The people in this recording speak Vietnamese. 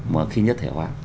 mà khi nhất thể hóa